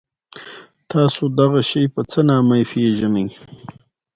تاسو دغه شی په څه نامه پيژنی؟